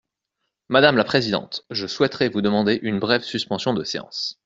Madame la présidente, je souhaiterais vous demander une brève suspension de séance.